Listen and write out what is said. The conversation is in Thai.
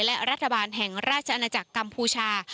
และรัฐบาลแห่งราชอาณาจักรกัมพูชา